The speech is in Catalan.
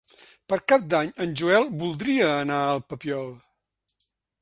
Per Cap d'Any en Joel voldria anar al Papiol.